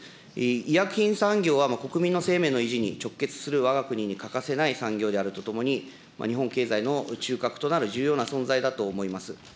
医薬品産業は、国民の生命維持に直結する、わが国に欠かせない産業であるとともに、日本経済の中核となる重要な存在だと思います。